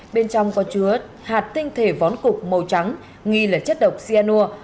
bên trong có chứa hạt tinh thể vón cục màu trắng nghi là chất độc cyanur